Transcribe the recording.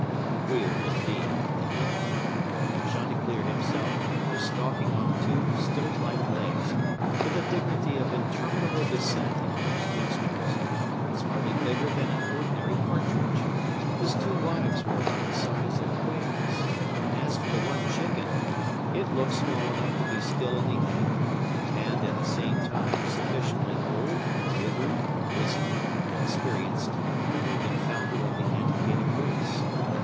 Queer, indeed, they looked! Chanticleer himself, though stalking on two stilt like legs, with the dignity of interminable descent in all his gestures, was hardly bigger than an ordinary partridge; his two wives were about the size of quails; and as for the one chicken, it looked small enough to be still in the egg, and, at the same time, sufficiently old, withered, wizened, and experienced, to have been founder of the antiquated race.